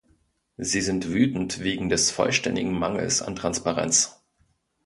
Sie sind wütend wegen des vollständigen Mangels an Transparenz.